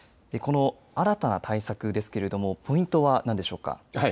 この新たな対策ですけれどもポイントは何でしょうか。